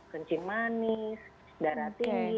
kencing manis darah tinggi